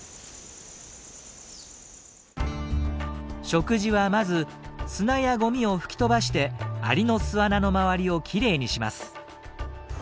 食事はまず砂やゴミを吹き飛ばしてアリの巣穴の周りをきれいにします。